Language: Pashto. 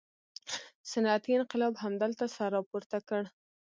صنعتي انقلاب همدلته سر راپورته کړ.